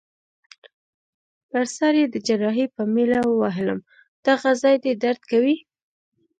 پر سر يي د جراحۍ په میله ووهلم: دغه ځای دي درد کوي؟